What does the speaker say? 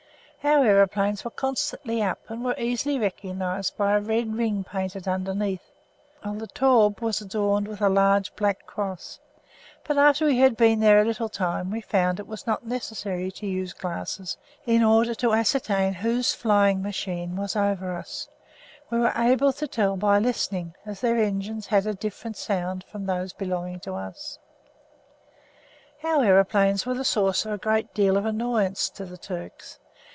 Our aeroplanes were constantly up, and were easily recognised by a red ring painted underneath, while the Taube was adorned with a large black cross; but after we had been there a little time we found it was not necessary to use glasses in order to ascertain whose flying machine was over us; we were able to tell by listening, as their engines had a different sound from those belonging to us. Our aeroplanes were the source of a good deal of annoyance to the Turks.